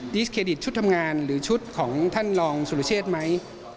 ดิสเครดิตชุดทำงานหรือชุดของท่านรองสุรเชษไหม